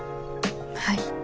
はい。